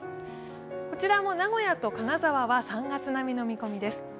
こちらも名古屋と金沢は３月並みの見込みです。